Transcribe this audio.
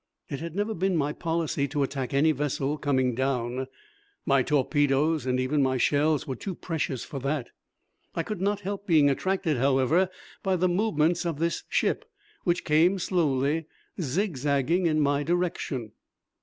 It had never been my policy to attack any vessel coming down. My torpedoes and even my shells were too precious for that. I could not help being attracted, however, by the movements of this ship, which came slowly zigzagging in my direction.